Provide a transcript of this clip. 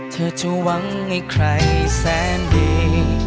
เธอจะหวังให้ใครแสนดี